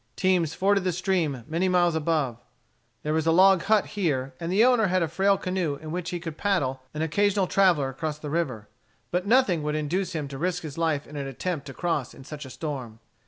Teams forded the stream many miles above. There was a log hut here, and the owner had a frail canoe in which he could paddle an occasional traveller across the river. But nothing would induce him to risk his life in an attempt to cross in such a storm.